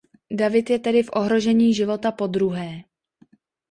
David je tedy v ohrožení života podruhé.